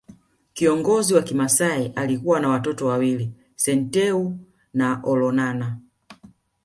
Kiongozi wa kimasai alikuwa na watoto wawili Senteu na Olonana